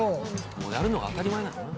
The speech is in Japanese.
もうやるのが当たり前なんだな。